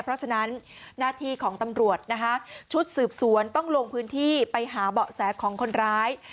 เพราะฉะนั้นหน้าที่ของตำรวจนะคะชุดสืบสวนต้องลงพื้นที่ไปหาเบาะแสของคนร้าย